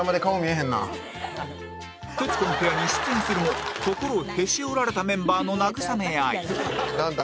『徹子の部屋』に出演するも心をへし折られたメンバーの慰め合い